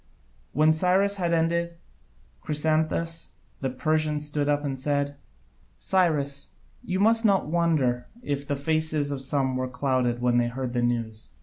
When Cyrus had ended, Chrysantas the Persian stood up and said: "Cyrus, you must not wonder if the faces of some were clouded when they heard the news.